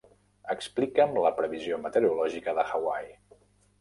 Explica'm la previsió meteorològica de Hawaii.